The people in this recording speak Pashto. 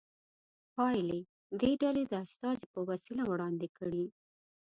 پایلې دې ډلې د استازي په وسیله وړاندې کړي.